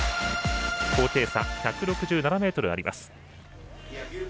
高低差１６７ｍあります。